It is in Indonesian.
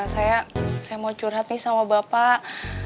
saya mau curhat nih sama bapak